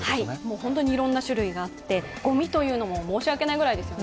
本当にいろんな種類があってごみというのも申し訳ないくらいですよね。